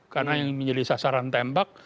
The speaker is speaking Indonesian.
karena yang menjadi sasaran tembak